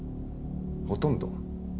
「ほとんど」？